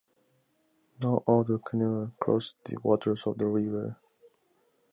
No other canoe crossed the waters of the river.